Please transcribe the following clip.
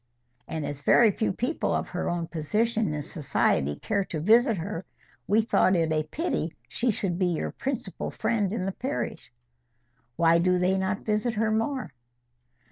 And as very few people of her own position in society care to visit her, we thought it a pity she should be your principal friend in the parish." "Why do they not visit her more?"